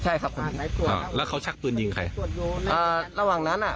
ใช่ครับผมอ่าแล้วเขาชักปืนยิงใครอ่าระหว่างนั้นอ่ะ